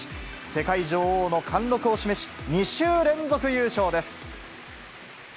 世界女王の貫禄を示し、２週連続優勝です。